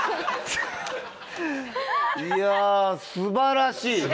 いや素晴らしい。